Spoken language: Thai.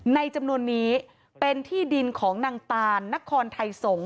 จำนวนนี้เป็นที่ดินของนางตานนครไทยสงศ